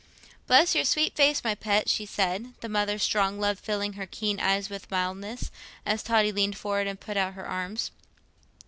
"Bless your sweet face, my pet," she said, the mother's strong love filling her keen eyes with mildness, as Totty leaned forward and put out her arms.